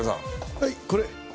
はいこれ。